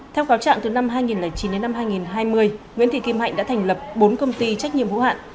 theo cáo trạng từ năm hai nghìn chín đến năm hai nghìn hai mươi nguyễn thị kim hạnh đã thành lập bốn công ty trách nhiệm hữu hạn